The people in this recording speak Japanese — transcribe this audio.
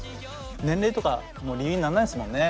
年齢とかもう理由になんないですもんね。